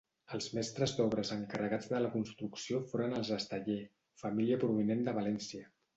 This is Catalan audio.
Els mestres d'obres encarregats de la construcció foren els Esteller, família provinent de València.